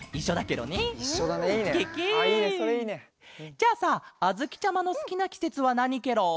じゃあさあづきちゃまのすきなきせつはなにケロ？